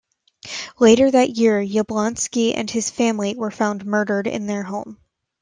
Later that year, Yablonski and his family were found murdered in their home.